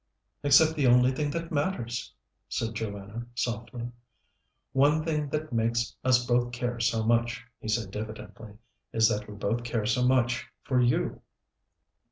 "Except the only thing that matters," said Joanna softly. "One thing that makes us both care so much," he said diffidently, "is that we both care so much for you."